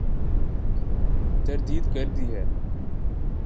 تردید کر دی ہے ۔